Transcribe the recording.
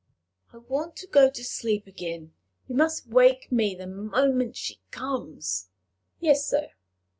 "I want to go to sleep again. You must wake me the moment she comes." "Yes, sir."